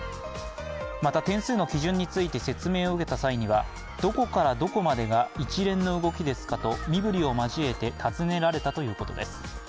また、点数の基準について説明を受けた際にはどこからどこまでが一連の動きですかと身振りを交えて尋ねられたということです。